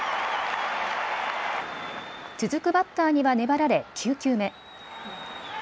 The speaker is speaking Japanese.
続くバッターには粘られ、９球目。